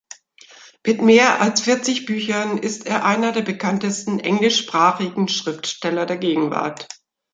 Mit mehr als vierzig Büchern ist er einer der bekanntesten englischsprachigen Schriftsteller der Gegenwart.